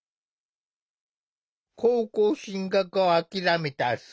高校進学を諦めた末弘さん。